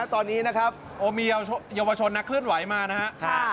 ตอนนี้นะครับโอ้มีเยาวชนนักเคลื่อนไหวมานะครับ